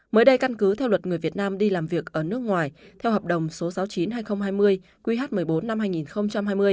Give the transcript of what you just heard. mới đây căn cứ theo luật người việt nam đi làm việc ở nước ngoài theo hợp đồng số sáu mươi chín hai nghìn hai mươi qh một mươi bốn năm hai nghìn hai mươi